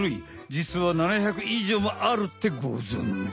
じつは７００以上もあるってごぞんじ？